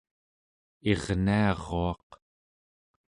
irniaruaq